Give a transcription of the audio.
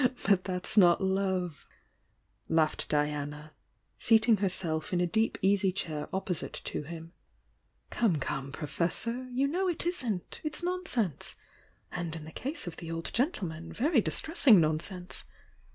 "But that's not love!" laughed Diana, seating her self in a deep easy chair opposite to him. "Come, come, Professor! You know it isn't! It's nonsense! — and in the case of the old gentleman, very dis tressing nonsense!